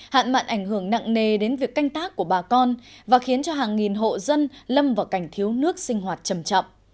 hạn mặn ảnh hưởng nặng nề đến việc canh tác của bà con và khiến cho hàng nghìn hộ dân lâm vào cảnh thiếu nước sinh hoạt chầm chậm